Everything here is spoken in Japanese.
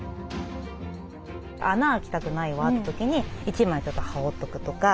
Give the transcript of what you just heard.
穴開きたくないわって時に１枚ちょっと羽織っとくとか。